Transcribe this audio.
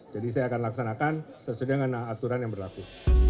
jadi saya akan laksanakan sesuai dengan aturan yang berlaku